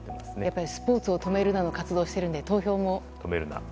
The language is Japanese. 「＃スポーツを止めるな」の活動をしているので止めるな。